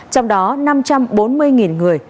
trong đó năm trăm bốn mươi người